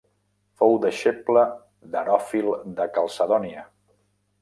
Fou deixeble d'Heròfil de Calcedònia.